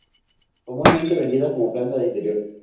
Comúnmente vendida como planta de interior.